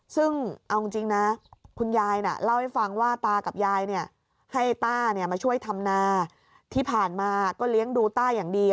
ซึ่งเอาจริงนะคุณยายน่ะเล่าให้ฟังว่าตากับยายให้ต้ามาช่วยทำนาที่ผ่านมาก็เลี้ยงดูต้าอย่างดี